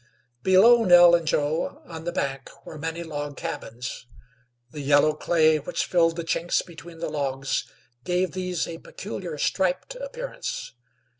Below Nell and Joe, on the bank, were many log cabins. The yellow clay which filled the chinks between the logs gave these a peculiar striped appearance.